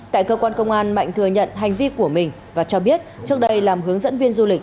tại cơ quan công an mạnh thừa nhận hành vi của mình và cho biết trước đây làm hướng dẫn viên du lịch